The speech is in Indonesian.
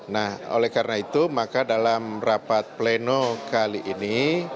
nah oleh karena itu maka dalam rapat pleno kali ini